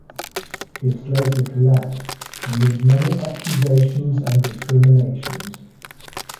It later collapsed amid many accusations and recriminations.